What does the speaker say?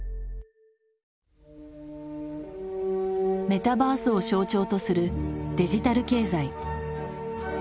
メタバースを象徴とするデジタル経済。